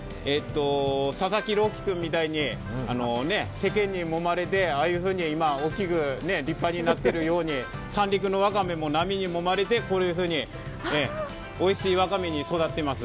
佐々木朗希君みたいに世間にもまれてああいうふうに今、大きく立派になってるように、三陸のわかめも波にもまれてこういうふうにおいしいわかめに育ってます。